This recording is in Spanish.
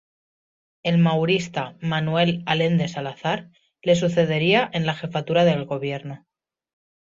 El "maurista" Manuel Allendesalazar le sucedería en la jefatura del gobierno.